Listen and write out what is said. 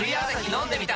飲んでみた！